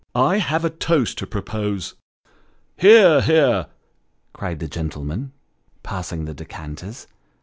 I have a toast to propose." " Hear ! hear !" cried the gentlemen, passing the decanters.